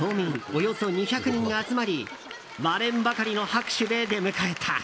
およそ２００人が集まり割れんばかりの拍手で出迎えた。